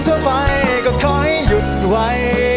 กว่าคนทั่วไปก็ขอให้หยุดไหว